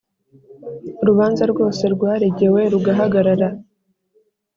Urubanza rwose rwaregewe rugahagarara